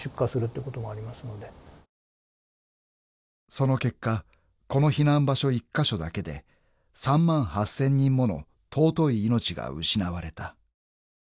［その結果この避難場所１カ所だけで３万８，０００人もの尊い命が失われた］